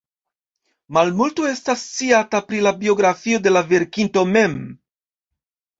Malmulto estas sciata pri la biografio de la verkinto mem.